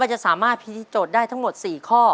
จะสามารถพิธีโจทย์ได้ทั้งหมด๔ข้อ